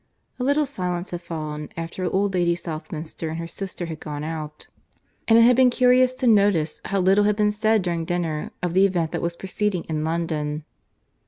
A little silence had fallen after old Lady Southminster and her sister had gone out, and it had been curious to notice how little had been said during dinner of the event that was proceeding in London.